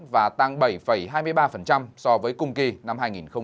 và tăng bảy hai mươi ba so với cùng kỳ năm hai nghìn một mươi tám